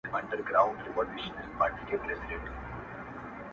هغه پلار یې چي یو وخت شاه جهان وو،